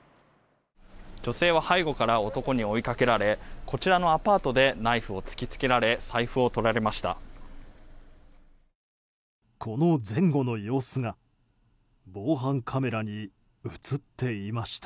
女性は背後から男に追いかけられこちらのアパートでナイフを突きつけられ財布をとられました。